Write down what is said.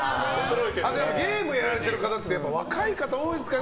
ゲームやられてる方って若い方が多いですから。